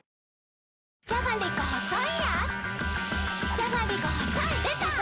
じゃがりこ細いやーつ